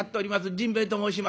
甚兵衛と申します。